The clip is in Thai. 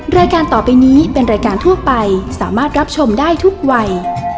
รายการต่อไปนี้เป็นรายการทั่วไปสามารถรับชมได้ทุกวัย